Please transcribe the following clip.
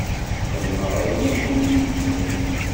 Xedmeɣ ayen akken i yi-d-tenniḍ.